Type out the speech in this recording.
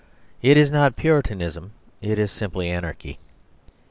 It is not Puritanism; it is simply anarchy.